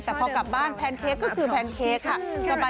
แต่พอกลับบ้านแพนเค้กก็คือแพนเค้กค่ะ